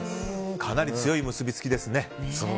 かなり強い結びつきですね。